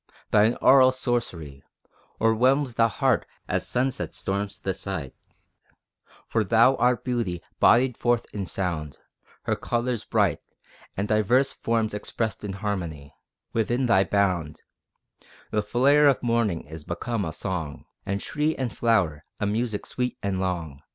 Thine aural sorcery O'erwhelms the heart as sunset storms the sight, For thou art Beauty bodied forth in sound Her colors bright And diverse forms expressed in harmony: Within thy bound, The flare of morning is become a song, And tree and flower a music sweet and long.